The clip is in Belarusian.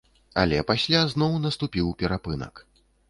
Але пасля зноў наступіў перапынак.